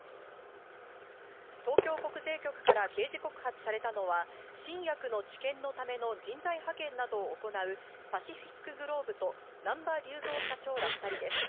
東京国税局から刑事告発されたのは新薬の治験のための人材派遣などを行う「パシフィックグローブ」と難波龍三社長ら２人です。